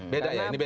beda ya ini beda